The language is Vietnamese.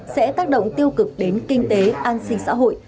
sẽ tác động tiêu cực đến kinh tế an sinh xã hội